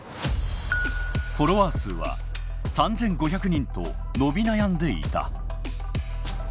フォロワー数は３，５００人と伸び悩んでいた。